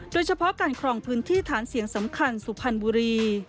โดยเฉพาะการครองพื้นที่ฐานเสียงสำคัญสุพรรณบุรี